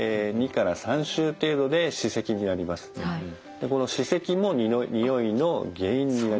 でこの歯石も臭いの原因になります。